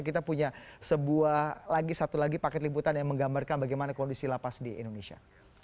kita punya sebuah lagi satu lagi paket liputan yang menggambarkan bagaimana kondisi lapas di indonesia